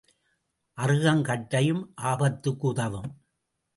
அறுகங் கட்டையும் ஆபத்துக்கு உதவும்.